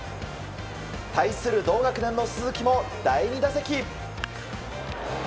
対する同学年の鈴木も第２打席。